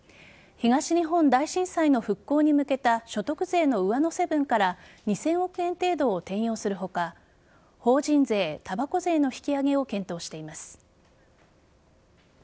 東日本大震災の復興に向けた所得税の上乗せ分から２０００億円程度を転用する他法人税、たばこ税の引き上げを検討しています。